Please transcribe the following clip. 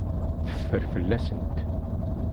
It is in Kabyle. Teffer fell-asent.